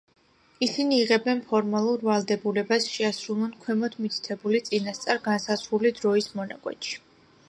ისინი იღებენ ფორმალურ ვალდებულებას შეასრულონ ქვემოთ მითითებული წინასწარ განსაზღვრული დროის მონაკვეთში.